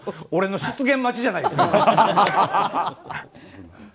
俺の失言待ちじゃないですか。